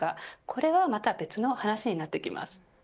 これはまた別の話になってきます。